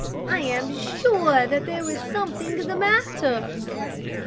I am sure that there is something the matter."